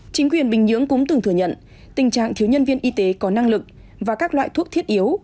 chính quyền bình nhưỡng cũng từng thừa nhận tình trạng thiếu nhân viên y tế có năng lực và các loại thuốc thiết yếu